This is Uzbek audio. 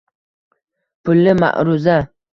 Pulli maʼruza